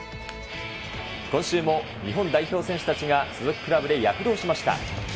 今週も日本代表選手たちが、所属クラブで躍動しました。